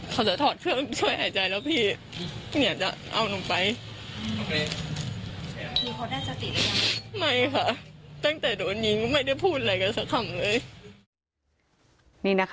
ตั้งแต่โดยนี้ก็ไม่ได้พูดอะไรกันซักคำเลย